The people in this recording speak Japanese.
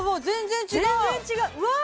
全然違う！